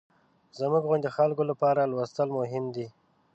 زموږ غوندې خلکو لپاره لوستل مهم دي.